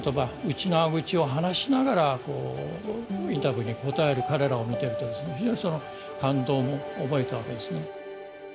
ウチナーグチを話しながらインタビューに答える彼らを見てると非常に感動も覚えたわけですね。